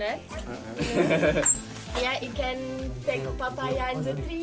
ya dia bisa membuat papaya di dinding